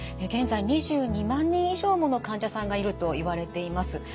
現在２２万人以上もの患者さんがいるといわれています。